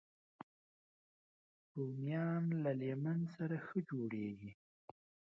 رومیان له لیمن سره ښه جوړېږي